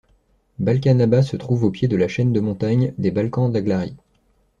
Balkanabat se trouve au pied de la chaîne de montagnes des Balkan Daglary.